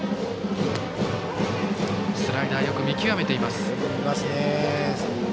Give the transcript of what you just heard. スライダー、よく見極めています。